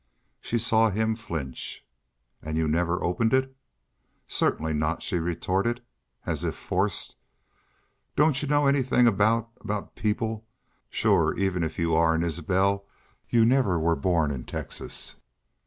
She saw him flinch. "And you never opened it?" "Certainly not," she retorted, as if forced. "Doon't y'u know anythin' about about people? ... Shore even if y'u are an Isbel y'u never were born in Texas."